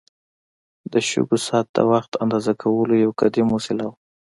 د شګو ساعت د وخت اندازه کولو یو قدیم وسیله وه.